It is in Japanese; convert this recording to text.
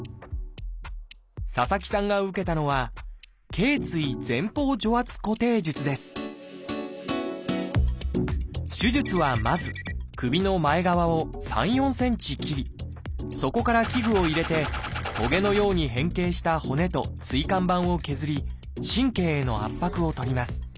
佐々木さんが受けたのは手術はまず首の前側を３４ｃｍ切りそこから器具を入れてトゲのように変形した骨と椎間板を削り神経への圧迫を取ります。